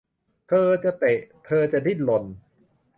เธอจะเตะ เธอจะดิ้นรน